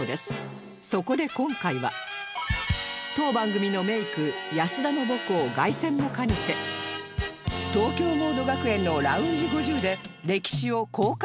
そこで今回は当番組のメイク安田の母校凱旋も兼ねて東京モード学園のラウンジ５０でレキシを公開ヘアメイク